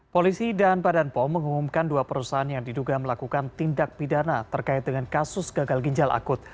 polisi dan badan pom mengumumkan dua perusahaan yang diduga melakukan tindak pidana terkait dengan kasus gagal ginjal akut